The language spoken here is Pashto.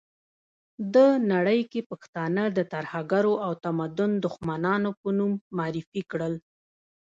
ده نړۍ کې پښتانه د ترهګرو او تمدن دښمنانو په نوم معرفي کړل.